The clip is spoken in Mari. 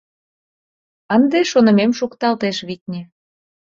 Ынде шонымем шукталтеш, витне.